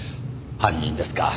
犯人ですか。